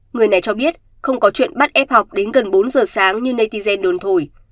người này cho biết không có chuyện bắt ép học đến gần bốn giờ sáng như natigen đồn thổi